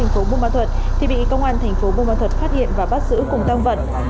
vũ đã bị công an tp bung ma thuật phát hiện và bắt giữ cùng tăng vật